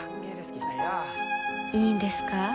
いいんですか？